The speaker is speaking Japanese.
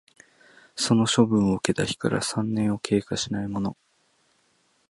その処分を受けた日から三年を経過しないもの